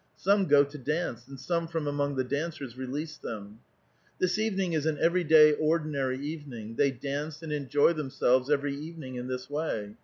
Some go to dance, and some from among the dancers release them. This evening is an every day, ordinary evening; they dance and enjoy themselves every evening in this way.